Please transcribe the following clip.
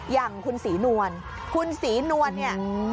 อย่างคุณศรีนวลคุณศรีนวลเนี่ย